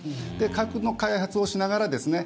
核の開発をしながらですね